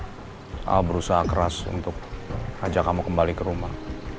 saya berusaha keras untuk ajak kamu kembali ke rumah